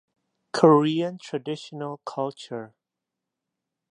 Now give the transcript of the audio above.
Korean traditional culture.